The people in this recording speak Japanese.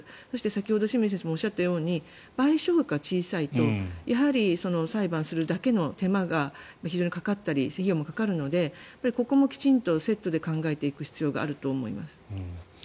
先ほど清水先生もおっしゃったように賠償額が小さいとやはり裁判するだけの手間が非常にかかったり費用もかかるのでここもきちんとセットで考えていく必要があると思います。